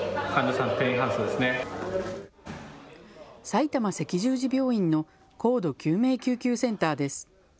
さいたま赤十字病院の高度救命救急センターです。